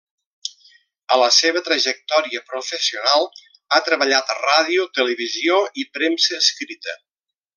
A la seva trajectòria professional ha treballat a ràdio, televisió i premsa escrita.